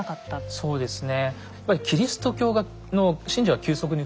そうですね。